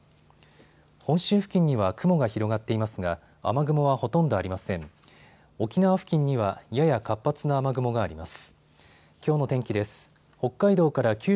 本州付近には雲が広がっていますが雨雲はほとんどありません。